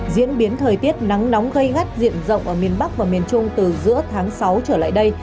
diễn biến thời tiết nắng nóng gây gắt diện rộng ở miền bắc và miền trung từ giữa tháng sáu trở lại đây